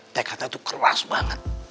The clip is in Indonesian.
tekata itu keras banget